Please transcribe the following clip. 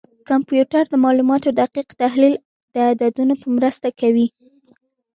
کمپیوټر د معلوماتو دقیق تحلیل د عددونو په مرسته کوي.